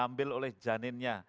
diambil oleh janinnya